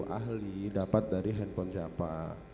ahli dapat dari handphone siapa